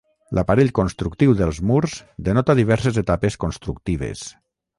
L'aparell constructiu dels murs denota diverses etapes constructives.